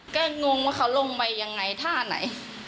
ก็งงว่าเขาลงไปยังไงท่าไหน